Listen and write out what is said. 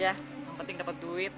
yang penting dapet duit